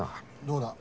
どうだ？